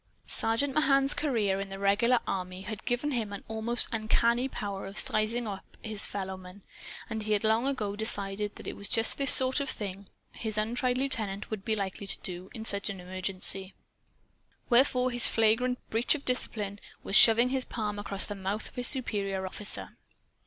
Sergeant Mahan's career in the regular army had given him an almost uncanny power of sizing up his fellowmen. And he had long ago decided that this was the sort of thing his untried lieutenant would be likely to do, in just such an emergency. Wherefore his flagrant breach of discipline in shoving his palm across the mouth of his superior officer.